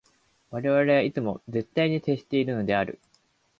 我々はいつも絶対に接しているのである。